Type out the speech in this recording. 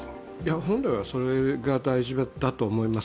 本来はそれが大事だと思います。